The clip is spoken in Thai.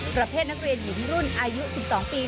ประเภทนักเรียนหญิงรุ่นอายุ๑๒ปี